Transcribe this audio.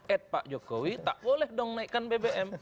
at pak jokowi tak boleh dong naikkan bbm